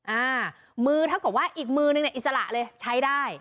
อ่ามือเท่ากับว่าอีกมือนึงเนี่ยอิสระเลยใช้ได้